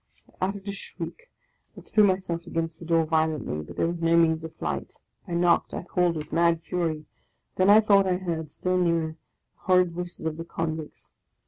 I uttered a shriek; I threw myself against the door OF A CONDEMNED 59 violently, but there was no means of flight. I knocked, I called with mad fury. Then I thought I heard, still nearer, the horrid voices of the convicts.